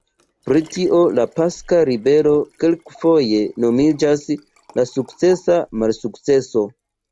Pro tio, la Paska Ribelo kelkfoje nomiĝas "la sukcesa malsukceso".